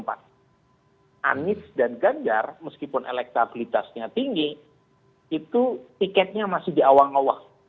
anies dan ganjar meskipun elektabilitasnya tinggi itu tiketnya masih diawang awah